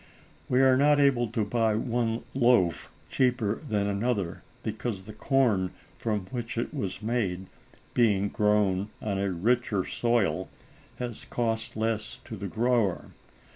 We are not able to buy one loaf cheaper than another because the corn from which it was made, being grown on a richer soil, has cost less to the grower.